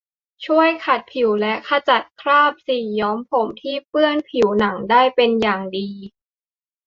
ช่วยขัดผิวและขจัดคราบสีย้อมผมที่เปื้อนผิวหนังได้เป็นอย่างดี